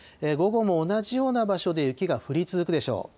午後も同じような場所で雪が降り続くでしょう。